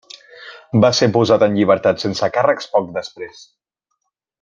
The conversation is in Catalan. Va ser posat en llibertat sense càrrecs poc després.